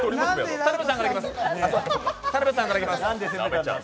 田辺さんからいきます。